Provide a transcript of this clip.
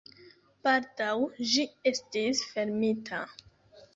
Baldaŭ ĝi estis fermita.